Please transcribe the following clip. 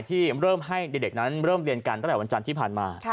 ที่เริ่มให้เด็กนั้นเริ่มเรียนกันตั้งแต่วันจันทร์ที่ผ่านมา